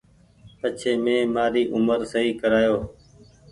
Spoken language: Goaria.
پڇي مين مآري اومر سئي ڪرايو